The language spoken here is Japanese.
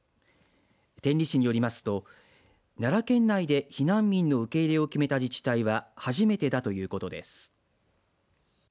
天理市によりますと奈良県内で避難民の受け入れを決めた自治体は初めてだということです。